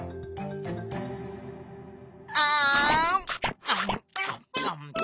あん。